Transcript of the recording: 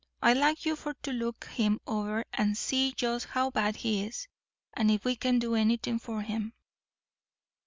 I'd like for you to look him over and see just how bad he is, and if we can do anything for him."